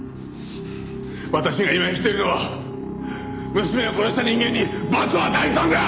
私が今生きているのは娘を殺した人間に罰を与えるためだ！